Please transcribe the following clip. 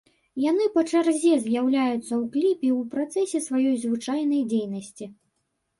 Яны па чарзе з'яўляюцца ў кліпе ў працэсе сваёй звычайнай дзейнасці.